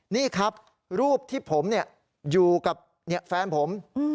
นี่ครับรูปที่ผมอยู่กับแฟนผม